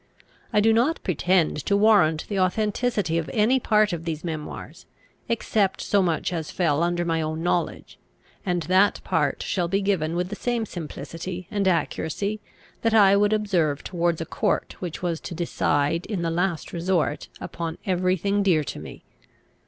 I do not pretend to warrant the authenticity of any part of these memoirs, except so much as fell under my own knowledge, and that part shall be given with the same simplicity and accuracy, that I would observe towards a court which was to decide in the last resort upon every thing dear to me.